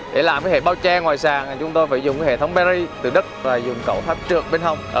để làm cái hệ bao che ngoài sàn chúng tôi phải dùng hệ thống bê ri từ đất và dùng cầu pháp trượt bên hàn quốc